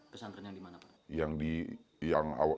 pesantren yang di mana pak